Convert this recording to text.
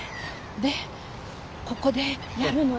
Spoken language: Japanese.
でここでやるのね？